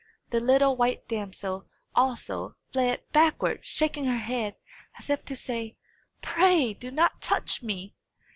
The little white damsel, also, fled backward, shaking her head, as if to say, "Pray, do not touch me!"